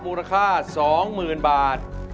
มูลค่า๒๐๐๐๐บาท